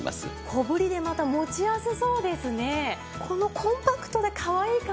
小ぶりでまた持ちやすそうですね。